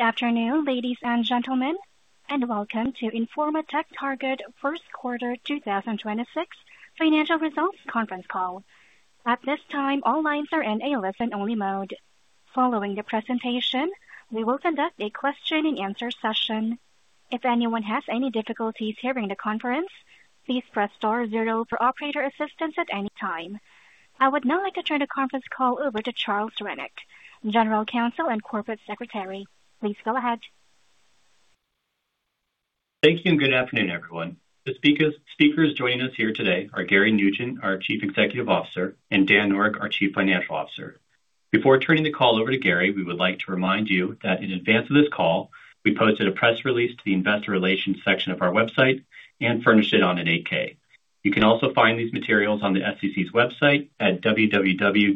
Good afternoon, ladies and gentlemen, and welcome to Informa TechTarget First Quarter 2026 Financial Results Conference Call. At this time, all lines are in a listen-only mode. Following the presentation, we will conduct a question and answer session. If anyone has any difficulties hearing the conference, please press star zero for operator assistance at any time. I would now like to turn the conference call over to Charles Rennick, General Counsel and Corporate Secretary. Please go ahead. Thank you, and good afternoon, everyone. The speakers joining us here today are Gary Nugent, our Chief Executive Officer, and Dan Noreck, our Chief Financial Officer. Before turning the call over to Gary, we would like to remind you that in advance of this call, we posted a press release to the investor relations section of our website and furnished it on an 8-K. You can also find these materials on the SEC's website at www.sec.gov.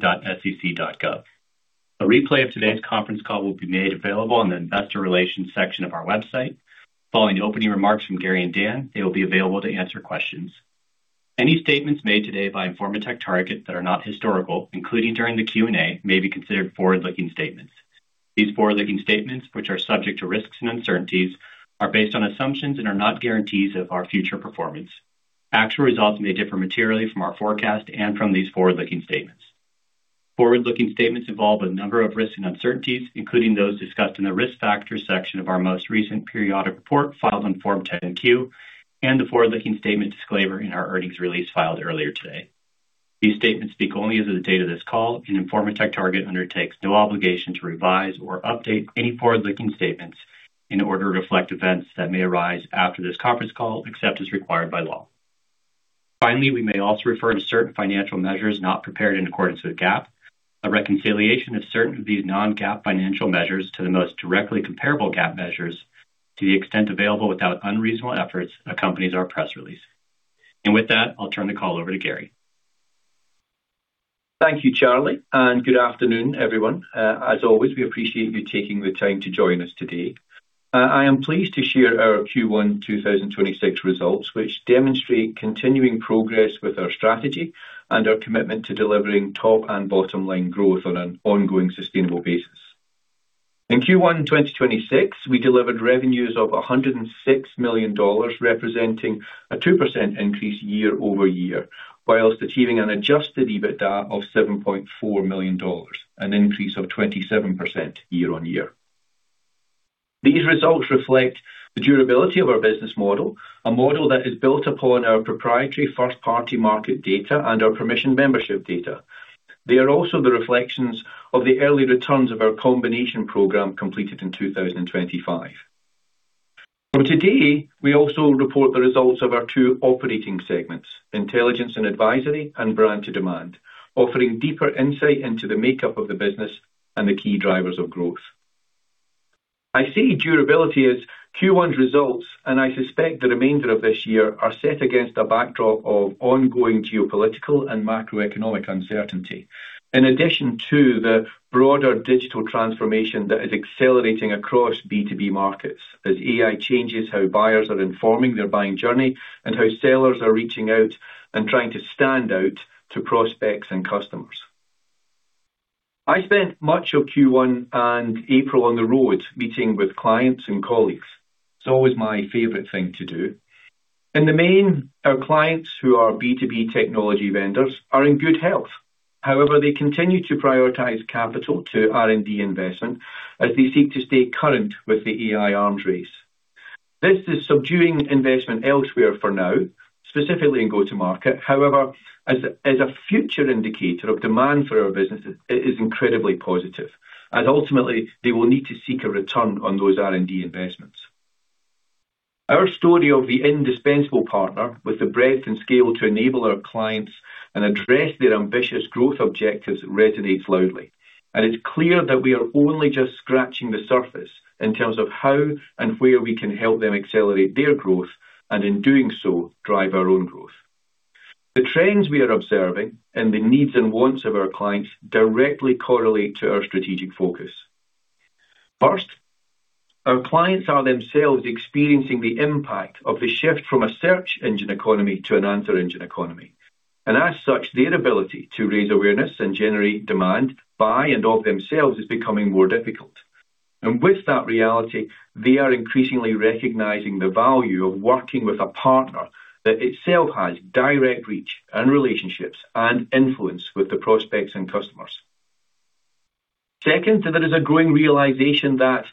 A replay of today's conference call will be made available on the investor relations section of our website. Following the opening remarks from Gary and Dan, they will be available to answer questions. Any statements made today by Informa TechTarget that are not historical, including during the Q&A, may be considered forward-looking statements. These forward-looking statements, which are subject to risks and uncertainties, are based on assumptions and are not guarantees of our future performance. Actual results may differ materially from our forecast and from these forward-looking statements. Forward-looking statements involve a number of risks and uncertainties, including those discussed in the Risk Factors section of our most recent periodic report filed on Form 10-Q and the forward-looking statement disclaimer in our earnings release filed earlier today. These statements speak only as of the date of this call, and Informa TechTarget undertakes no obligation to revise or update any forward-looking statements in order to reflect events that may arise after this conference call, except as required by law. Finally, we may also refer to certain financial measures not prepared in accordance with GAAP. A reconciliation of certain of these non-GAAP financial measures to the most directly comparable GAAP measures to the extent available without unreasonable efforts accompanies our press release. With that, I'll turn the call over to Gary. Thank you, Charlie, and good afternoon, everyone. As always, we appreciate you taking the time to join us today. I am pleased to share our Q1 2026 results, which demonstrate continuing progress with our strategy and our commitment to delivering top and bottom-line growth on an ongoing sustainable basis. In Q1 2026, we delivered revenues of $106 million, representing a 2% increase year-over-year, whilst achieving an adjusted EBITDA of $7.4 million, an increase of 27% year-on-year. These results reflect the durability of our business model, a model that is built upon our proprietary first-party market data and our permission membership data. They are also the reflections of the early returns of our combination program completed in 2025. From today, we also report the results of our two operating segments, Intelligence and Advisory and Brand to Demand, offering deeper insight into the makeup of the business and the key drivers of growth. I see durability as Q1's results, and I suspect the remainder of this year are set against a backdrop of ongoing geopolitical and macroeconomic uncertainty. In addition to the broader digital transformation that is accelerating across B2B markets, as AI changes how buyers are informing their buying journey and how sellers are reaching out and trying to stand out to prospects and customers. I spent much of Q1 and April on the road meeting with clients and colleagues. It's always my favorite thing to do. In the main, our clients, who are B2B technology vendors, are in good health. However, they continue to prioritize capital to R&D investment as they seek to stay current with the AI arms race. This is subduing investment elsewhere for now, specifically in go-to-market. As a future indicator of demand for our businesses, it is incredibly positive, as ultimately they will need to seek a return on those R&D investments. Our story of the indispensable partner with the breadth and scale to enable our clients and address their ambitious growth objectives resonates loudly. It's clear that we are only just scratching the surface in terms of how and where we can help them accelerate their growth, and in doing so, drive our own growth. The trends we are observing and the needs and wants of our clients directly correlate to our strategic focus. First, our clients are themselves experiencing the impact of the shift from a search engine economy to an answer engine economy. As such, their ability to raise awareness and generate demand by and of themselves is becoming more difficult. With that reality, they are increasingly recognizing the value of working with a partner that itself has direct reach and relationships and influence with the prospects and customers. Second, there is a growing realization that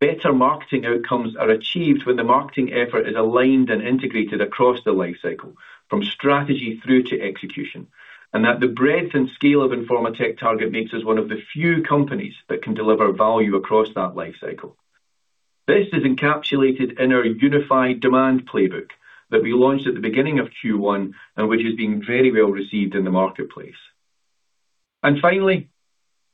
better marketing outcomes are achieved when the marketing effort is aligned and integrated across the lifecycle from strategy through to execution, and that the breadth and scale of Informa TechTarget makes us one of the few companies that can deliver value across that lifecycle. This is encapsulated in our unified demand playbook that we launched at the beginning of Q1 and which is being very well received in the marketplace. Finally,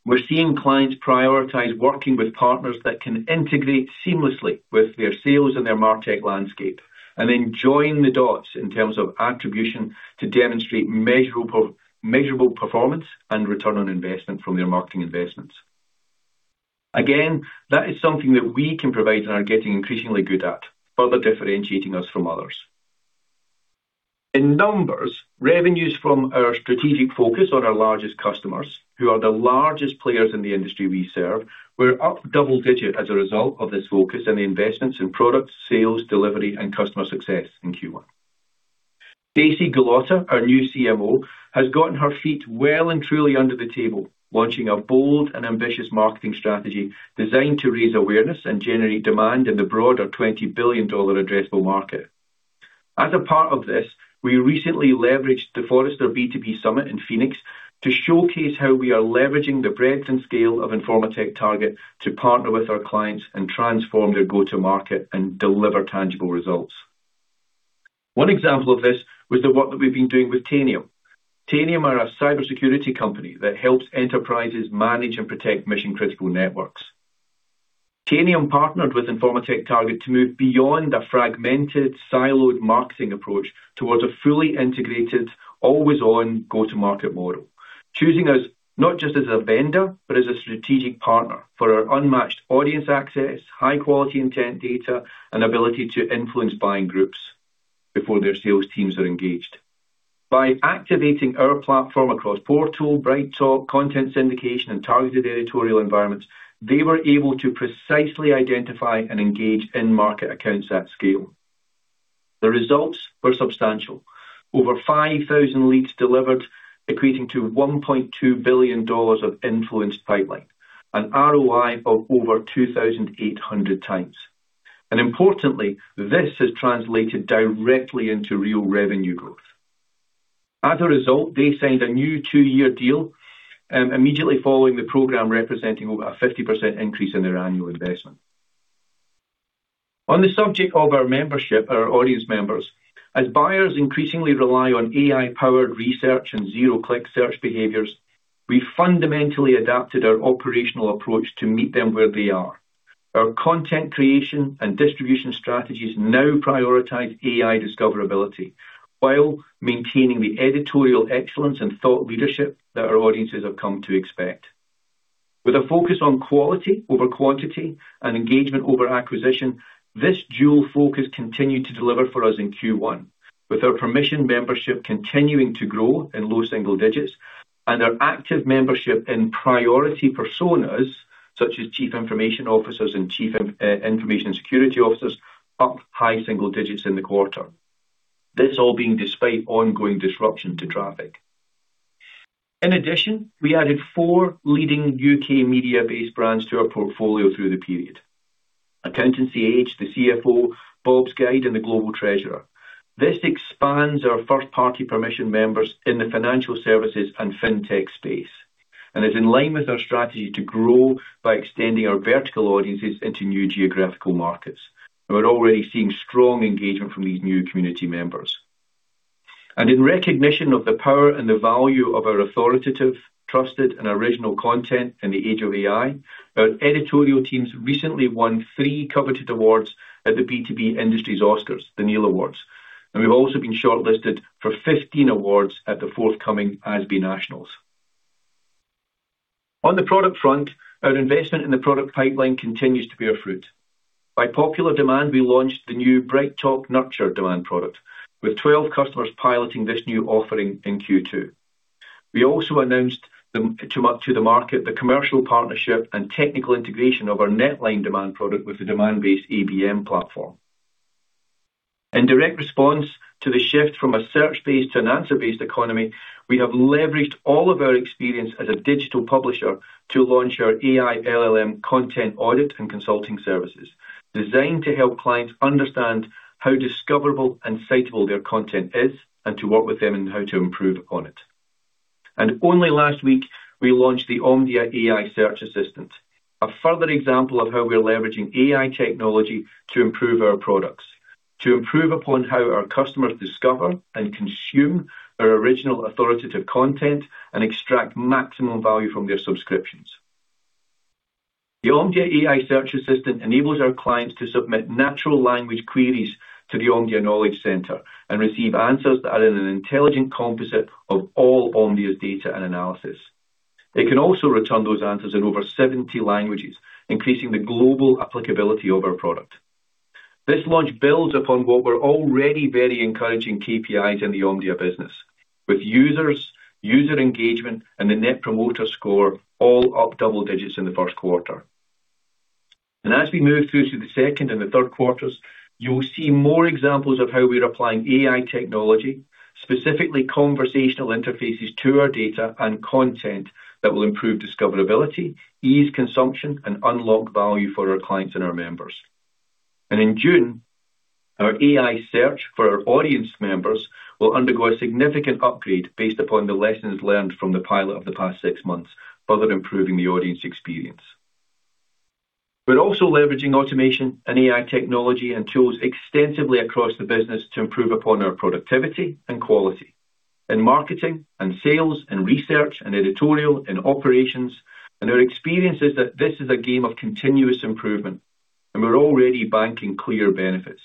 we're seeing clients prioritize working with partners that can integrate seamlessly with their sales and their MarTech landscape and then join the dots in terms of attribution to demonstrate measurable performance and ROI from their marketing investments. Again, that is something that we can provide and are getting increasingly good at, further differentiating us from others. In numbers, revenues from our strategic focus on our largest customers, who are the largest players in the industry we serve, were up double digit as a result of this focus and the investments in products, sales, delivery, and customer success in Q1. Staci Gullotta, our new CMO, has gotten her feet well and truly under the table, launching a bold and ambitious marketing strategy designed to raise awareness and generate demand in the broader $20 billion addressable market. As a part of this, we recently leveraged the Forrester B2B Summit in Phoenix to showcase how we are leveraging the breadth and scale of Informa TechTarget to partner with our clients and transform their go-to market and deliver tangible results. One example of this was the work that we've been doing with Tanium. Tanium are a cybersecurity company that helps enterprises manage and protect mission-critical networks. Tanium partnered with Informa TechTarget to move beyond a fragmented, siloed marketing approach towards a fully integrated, always-on go-to-market model. Choosing us not just as a vendor, but as a strategic partner for our unmatched audience access, high-quality intent data, and ability to influence buying groups before their sales teams are engaged. By activating our platform across portal, BrightTALK, content syndication, and targeted editorial environments, they were able to precisely identify and engage end market accounts at scale. The results were substantial. Over 5,000 leads delivered, equating to $1.2 billion of influenced pipeline, an ROI of over 2,800 times. Importantly, this has translated directly into real revenue growth. As a result, they signed a new two-year deal immediately following the program, representing over a 50% increase in their annual investment. On the subject of our membership, our audience members, as buyers increasingly rely on AI-powered research and zero-click search behaviors, we fundamentally adapted our operational approach to meet them where they are. Our content creation and distribution strategies now prioritize AI discoverability while maintaining the editorial excellence and thought leadership that our audiences have come to expect. With a focus on quality over quantity and engagement over acquisition, this dual focus continued to deliver for us in Q1, with our permission membership continuing to grow in low single digits and our active membership in priority personas, such as chief information officers and chief information security officers, up high single digits in the quarter. This all being despite ongoing disruption to traffic. In addition, we added four leading U.K. media-based brands to our portfolio through the period. Accountancy Age, The CFO, bobsguide, and The Global Treasurer. This expands our first-party permission members in the financial services and fintech space, and is in line with our strategy to grow by extending our vertical audiences into new geographical markets. We're already seeing strong engagement from these new community members. In recognition of the power and the value of our authoritative, trusted, and original content in the age of AI, our editorial teams recently won three coveted awards at the B2B Industry's Oscars, the Neal Awards. We've also been shortlisted for 15 awards at the forthcoming ASBPE Nationals. On the product front, our investment in the product pipeline continues to bear fruit. By popular demand, we launched the new BrightTALK Nurture demand product, with 12 customers piloting this new offering in Q2. We also announced to the market the commercial partnership and technical integration of our NetLine demand product with the Demandbase ABM platform. In direct response to the shift from a search-based to an answer-based economy, we have leveraged all of our experience as a digital publisher to launch our AI LLM content audit and consulting services, designed to help clients understand how discoverable and citable their content is, and to work with them in how to improve upon it. Only last week, we launched the Omdia AI Search Assistant, a further example of how we're leveraging AI technology to improve our products, to improve upon how our customers discover and consume our original authoritative content and extract maximum value from their subscriptions. The Omdia AI Search Assistant enables our clients to submit natural language queries to the Omdia Knowledge Center and receive answers that are in an intelligent composite of all Omdia's data and analysis. It can also return those answers in over 70 languages, increasing the global applicability of our product. This launch builds upon what were already very encouraging KPIs in the Omdia business, with users, user engagement, and the net promoter score all up double digits in the first quarter. As we move through to the second and the third quarters, you will see more examples of how we're applying AI technology, specifically conversational interfaces to our data and content that will improve discoverability, ease consumption, and unlock value for our clients and our members. In June, our AI search for our audience members will undergo a significant upgrade based upon the lessons learned from the pilot of the past six months, further improving the audience experience. We're also leveraging automation and AI technology and tools extensively across the business to improve upon our productivity and quality in marketing and sales, in research and editorial, in operations. Our experience is that this is a game of continuous improvement, and we're already banking clear benefits.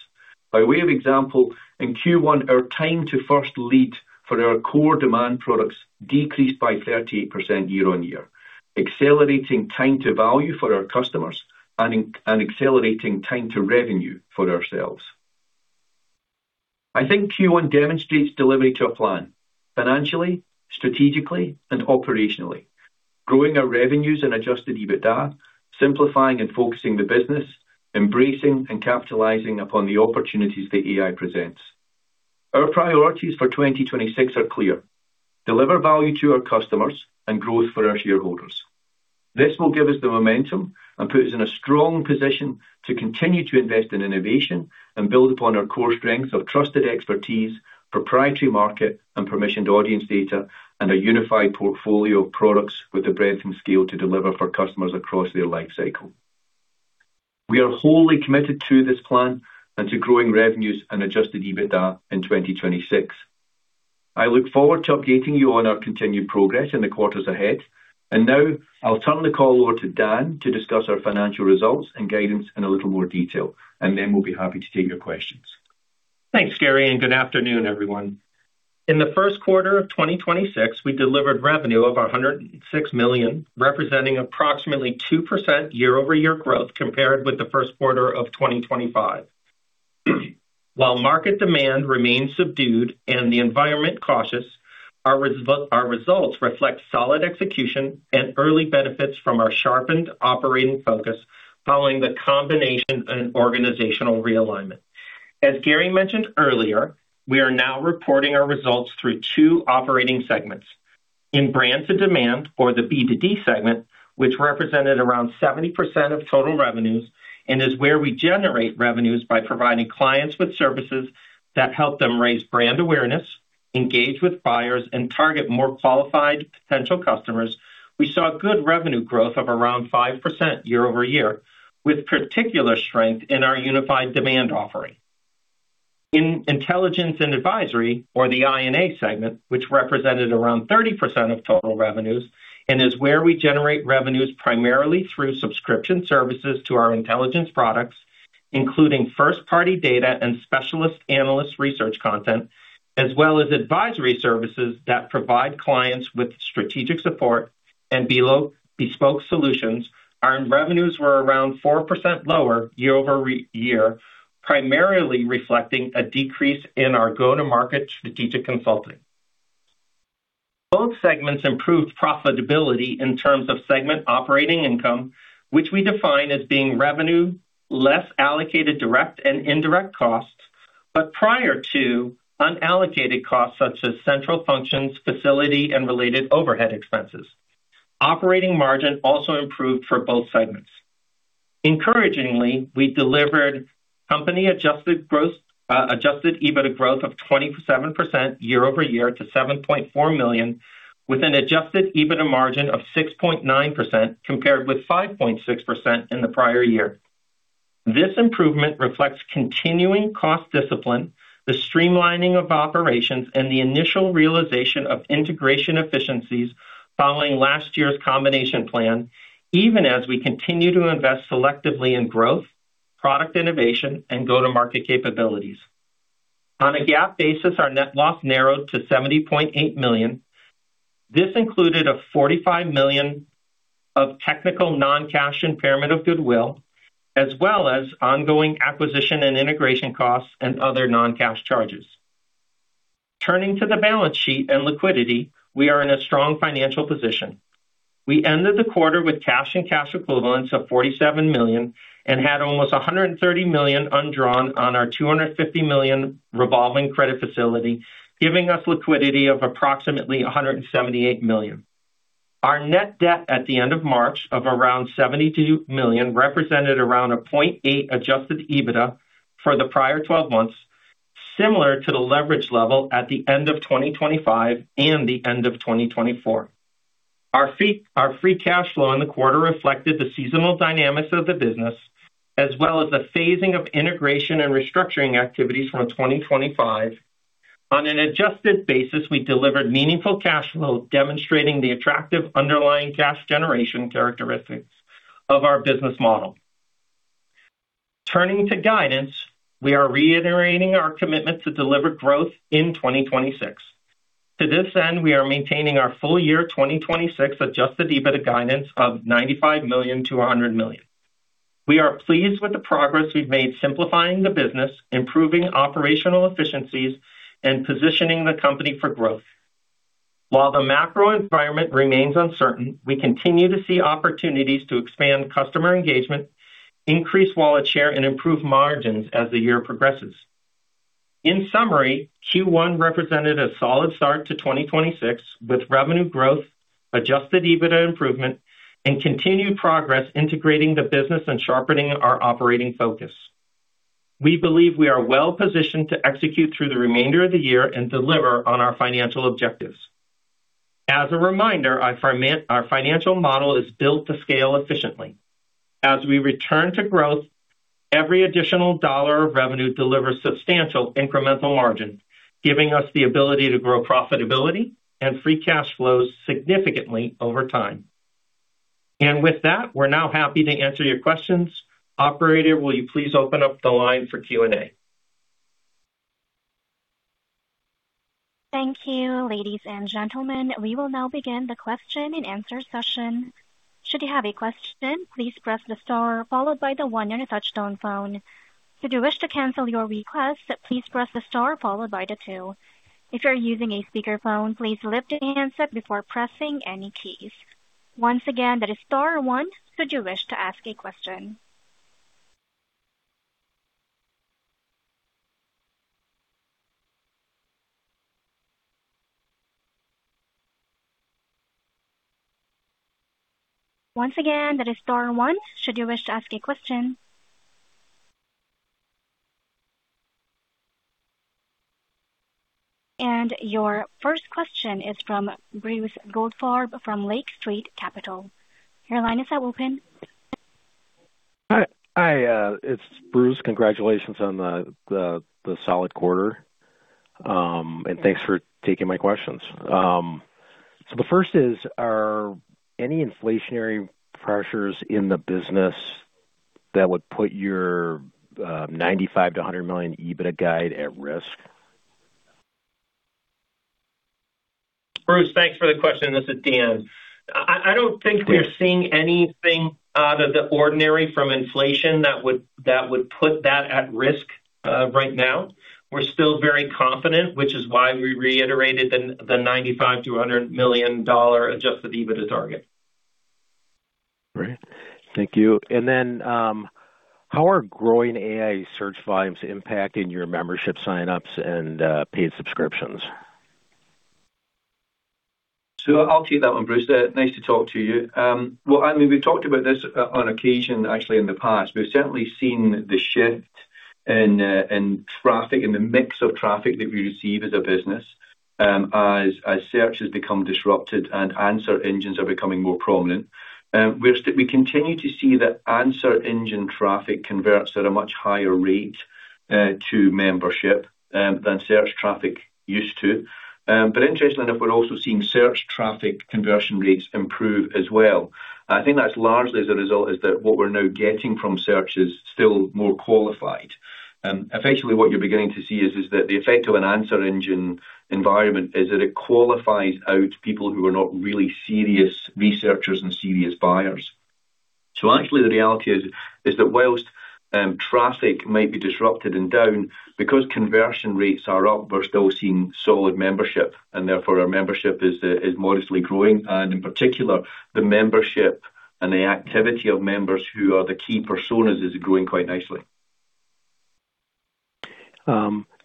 By way of example, in Q1, our time to first lead for our core demand products decreased by 38% year-on-year, accelerating time to value for our customers. Accelerating time to revenue for ourselves. I think Q1 demonstrates delivery to a plan, financially, strategically, and operationally, growing our revenues and adjusted EBITDA, simplifying and focusing the business, embracing and capitalizing upon the opportunities the AI presents. Our priorities for 2026 are clear. Deliver value to our customers and growth for our shareholders. This will give us the momentum and put us in a strong position to continue to invest in innovation and build upon our core strengths of trusted expertise, proprietary market, and permissioned audience data, and a unified portfolio of products with the breadth and scale to deliver for customers across their life cycle. We are wholly committed to this plan and to growing revenues and adjusted EBITDA in 2026. I look forward to updating you on our continued progress in the quarters ahead. Now I'll turn the call over to Dan to discuss our financial results and guidance in a little more detail, and then we'll be happy to take your questions. Thanks, Gary. Good afternoon, everyone. In the first quarter of 2026, we delivered revenue of $106 million, representing approximately 2% year-over-year growth compared with the first quarter of 2025. While market demand remains subdued and the environment cautious, our results reflect solid execution and early benefits from our sharpened operating focus following the combination and organizational realignment. As Gary mentioned earlier, we are now reporting our results through two operating segments. In Brand to Demand or the B2D segment, which represented around 70% of total revenues and is where we generate revenues by providing clients with services that help them raise brand awareness, engage with buyers, and target more qualified potential customers, we saw good revenue growth of around 5% year-over-year, with particular strength in our Unified Demand offering. In Intelligence and Advisory, or the I&A segment, which represented around 30% of total revenues and is where we generate revenues primarily through subscription services to our intelligence products, including first-party data and specialist analyst research content, as well as advisory services that provide clients with strategic support and bespoke solutions, our revenues were around 4% lower year-over-year, primarily reflecting a decrease in our go-to-market strategic consulting. Both segments improved profitability in terms of segment operating income, which we define as being revenue, less allocated direct and indirect costs, but prior to unallocated costs such as central functions, facility, and related overhead expenses. Operating margin also improved for both segments. Encouragingly, we delivered company adjusted EBITDA growth of 27% year-over-year to $7.4 million, with an adjusted EBITDA margin of 6.9% compared with 5.6% in the prior year. This improvement reflects continuing cost discipline, the streamlining of operations, and the initial realization of integration efficiencies following last year's combination plan, even as we continue to invest selectively in growth, product innovation, and go-to-market capabilities. On a GAAP basis, our net loss narrowed to $70.8 million. This included a $45 million of technical non-cash impairment of goodwill, as well as ongoing acquisition and integration costs and other non-cash charges. Turning to the balance sheet and liquidity, we are in a strong financial position. We ended the quarter with cash and cash equivalents of $47 million and had almost $130 million undrawn on our $250 million revolving credit facility, giving us liquidity of approximately $178 million. Our net debt at the end of March of around $72 million represented around a 0.8 adjusted EBITDA for the prior 12 months, similar to the leverage level at the end of 2025 and the end of 2024. Our free cash flow in the quarter reflected the seasonal dynamics of the business, as well as the phasing of integration and restructuring activities from 2025. On an adjusted basis, we delivered meaningful cash flow, demonstrating the attractive underlying cash generation characteristics of our business model. Turning to guidance, we are reiterating our commitment to deliver growth in 2026. To this end, we are maintaining our full year 2026 adjusted EBITDA guidance of $95 million-$100 million. We are pleased with the progress we've made simplifying the business, improving operational efficiencies, and positioning the company for growth. While the macro environment remains uncertain, we continue to see opportunities to expand customer engagement, increase wallet share, and improve margins as the year progresses. In summary, Q1 represented a solid start to 2026 with revenue growth, adjusted EBITDA improvement, and continued progress integrating the business and sharpening our operating focus. We believe we are well-positioned to execute through the remainder of the year and deliver on our financial objectives. As a reminder, our financial model is built to scale efficiently. As we return to growth, every additional dollar of revenue delivers substantial incremental margins, giving us the ability to grow profitability and free cash flows significantly over time. With that, we're now happy to answer your questions. Operator, will you please open up the line for Q&A? Thank you. Ladies and gentlemen, we will now begin the question-and-answer session. Should you have a question, please press the star followed by the one on your touchtone phone. If you wish to cancel your request, please press the star followed by the two. If you're using a speakerphone, please lift the handset before pressing any keys. Once again, that is star one should you wish to ask a question. Once again, that is star one should you wish to ask a question. And your first question is from Bruce Goldfarb from Lake Street Capital. Your line is now open. Hi. Hi, it's Bruce. Congratulations on the solid quarter. Thanks for taking my questions. The first is, are any inflationary pressures in the business that would put your $95 million-$100 million EBITDA guide at risk? Bruce, thanks for the question. This is Dan. I don't think we're seeing anything out of the ordinary from inflation that would put that at risk right now. We're still very confident, which is why we reiterated the $95 million-$100 million adjusted EBITDA target. Great. Thank you. How are growing AI search volumes impacting your membership sign-ups and paid subscriptions? I'll take that one, Bruce. Nice to talk to you. Well, I mean, we've talked about this on occasion actually in the past. We've certainly seen the shift in traffic, in the mix of traffic that we receive as a business, as search has become disrupted and answer engines are becoming more prominent. We continue to see that answer engine traffic converts at a much higher rate to membership than search traffic used to. Interestingly enough, we're also seeing search traffic conversion rates improve as well. I think that's largely as a result is that what we're now getting from search is still more qualified. Effectively what you're beginning to see is that the effect of an answer engine environment is that it qualifies out people who are not really serious researchers and serious buyers. Actually the reality is that whilst traffic might be disrupted and down, because conversion rates are up, we're still seeing solid membership and therefore our membership is modestly growing. In particular, the membership and the activity of members who are the key personas is growing quite nicely.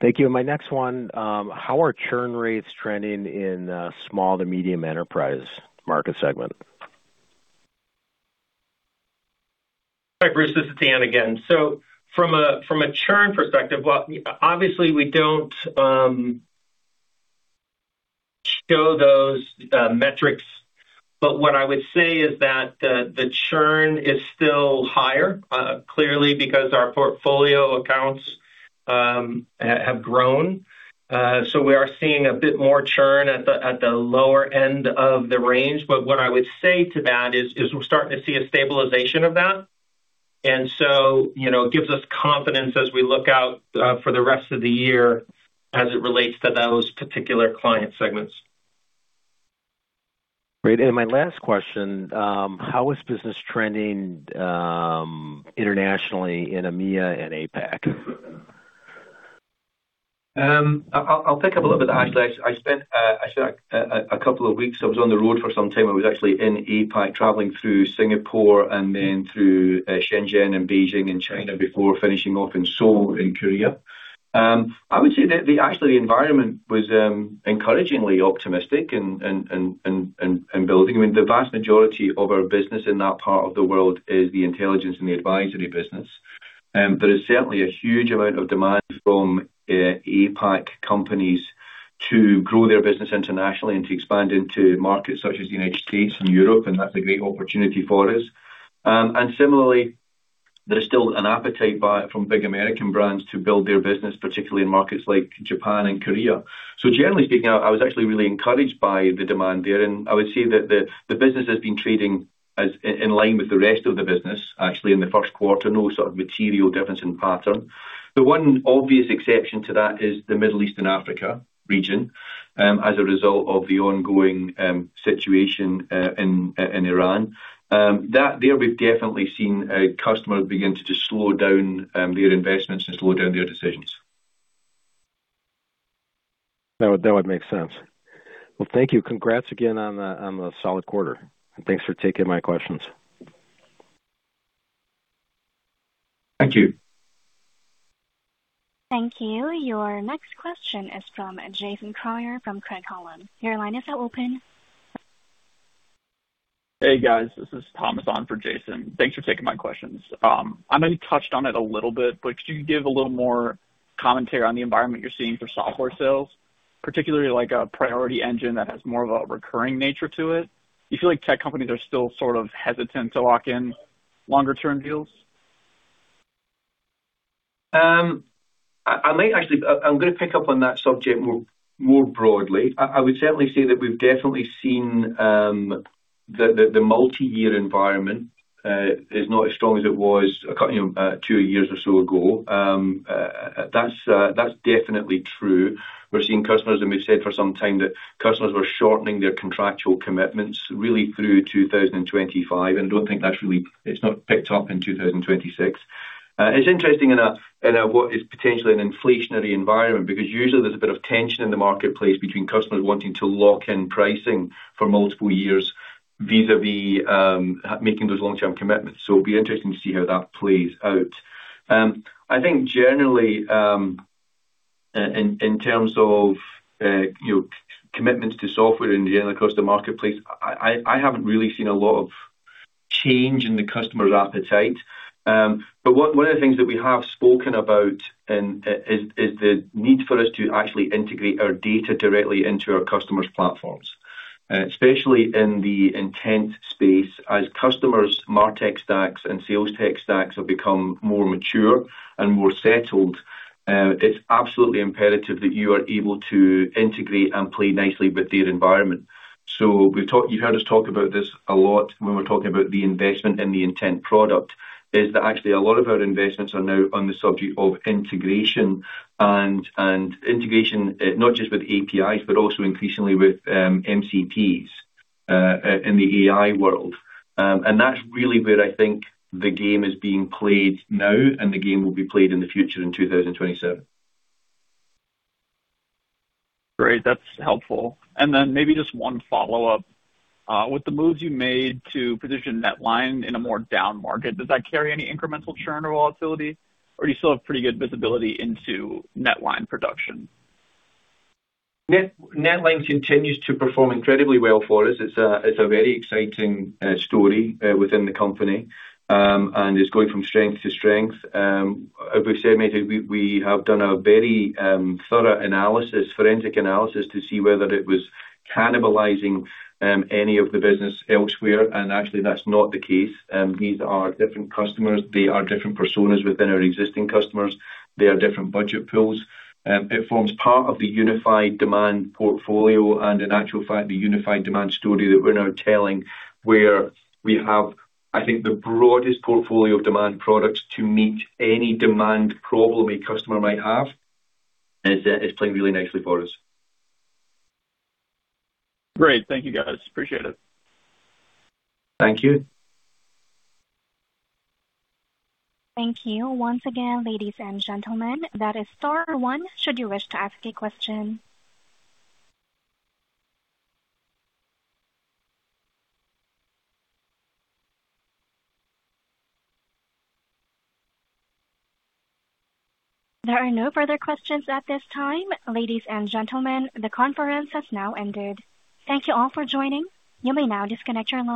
Thank you. My next one, how are churn rates trending in small to medium enterprise market segment? Hi, Bruce, this is Dan again. From a churn perspective, obviously we don't show those metrics, but what I would say is that the churn is still higher, clearly because our portfolio accounts have grown. We are seeing a bit more churn at the lower end of the range. What I would say to that is we're starting to see a stabilization of that. You know, it gives us confidence as we look out for the rest of the year as it relates to those particular client segments. Great. My last question, how is business trending, internationally in EMEA and APAC? I'll pick up a little bit, actually. I spent a couple of weeks, I was on the road for some time. I was actually in APAC traveling through Singapore and then through Shenzhen and Beijing and China before finishing off in Seoul in Korea. I would say that actually the environment was encouragingly optimistic and building. I mean, the vast majority of our business in that part of the world is the Intelligence and Advisory business. There is certainly a huge amount of demand from APAC companies to grow their business internationally and to expand into markets such as the U.S and Europe, and that's a great opportunity for us. Similarly, there's still an appetite from big American brands to build their business, particularly in markets like Japan and Korea. Generally speaking, I was actually really encouraged by the demand there. I would say that the business has been trading in line with the rest of the business, actually, in the first quarter. No sort of material difference in pattern. The one obvious exception to that is the Middle East and Africa region, as a result of the ongoing situation in Iran. There we've definitely seen customers begin to just slow down their investments and slow down their decisions. That would make sense. Well, thank you. Congrats again on a solid quarter. Thanks for taking my questions. Thank you. Thank you. Your next question is from Jason Kreyer from Craig-Hallum. Your line is now open. Hey, guys, this is Thomas on for Jason. Thanks for taking my questions. I know you touched on it a little bit, but could you give a little more commentary on the environment you're seeing for software sales, particularly like a Priority Engine that has more of a recurring nature to it? Do you feel like tech companies are still sort of hesitant to lock in longer term deals? I'm gonna pick up on that subject more broadly. I would certainly say that we've definitely seen the multi-year environment is not as strong as it was a couple two years or so ago. That's definitely true. We're seeing customers, and we've said for some time that customers were shortening their contractual commitments really through 2025, and It's not picked up in 2026. It's interesting in what is potentially an inflationary environment because usually there's a bit of tension in the marketplace between customers wanting to lock in pricing for multiple years vis-à-vis making those long-term commitments. It'll be interesting to see how that plays out. I think generally, in terms of, you know, commitments to software in general across the marketplace, I haven't really seen a lot of change in the customer appetite. But one of the things that we have spoken about and is the need for us to actually integrate our data directly into our customers' platforms, especially in the intent space. As customers' MarTech stacks and sales tech stacks have become more mature and more settled, it's absolutely imperative that you are able to integrate and play nicely with their environment. You heard us talk about this a lot when we're talking about the investment in the intent product, is that actually a lot of our investments are now on the subject of integration and integration, not just with APIs, but also increasingly with MCTs in the AI world. That's really where I think the game is being played now and the game will be played in the future in 2027. Great. That's helpful. Maybe just one follow-up. With the moves you made to position NetLine in a more down market, does that carry any incremental churn or volatility, or do you still have pretty good visibility into NetLine production? NetLine continues to perform incredibly well for us. It's a very exciting story within the company. It's going from strength to strength. As we've said, Matthew, we have done a very thorough analysis, forensic analysis to see whether it was cannibalizing any of the business elsewhere, actually that's not the case. These are different customers. They are different personas within our existing customers. They are different budget pools. It forms part of the Unified Demand portfolio in actual fact the Unified Demand story that we're now telling where we have, I think, the broadest portfolio of demand products to meet any demand problem a customer might have, it's playing really nicely for us. Great. Thank you, guys. Appreciate it. Thank you. Thank you once again, ladies and gentlemen. That is star one should you wish to ask a question. There are no further questions at this time. Ladies and gentlemen, the conference has now ended. Thank you all for joining. You may now disconnect your lines.